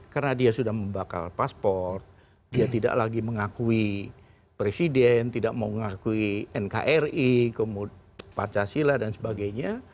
karena dia sudah membakar paspor dia tidak lagi mengakui presiden tidak mau mengakui nkri pancasila dan sebagainya